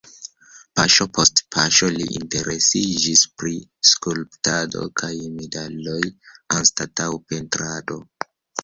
Paŝo post paŝo li interesiĝis pri skulptado kaj medaloj anstataŭ pentrado.